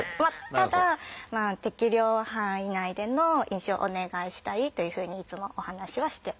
ただ適量範囲内での飲酒をお願いしたいというふうにいつもお話しはしております。